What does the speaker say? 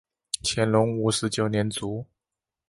乾隆五十九年卒。